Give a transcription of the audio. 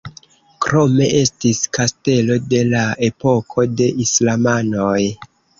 Krome estis kastelo de la epoko de islamanoj.